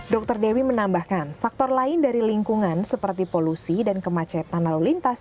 dr dewi menambahkan faktor lain dari lingkungan seperti polusi dan kemacetan lalu lintas